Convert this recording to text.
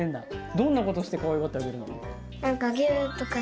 どんなことをしてかわいがってあげるの？